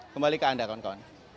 kembali ke anda kawan kawan